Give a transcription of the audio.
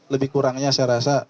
lebih kurangnya saya rasa